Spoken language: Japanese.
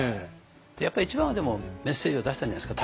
やっぱり一番はメッセージを出したんじゃないですか？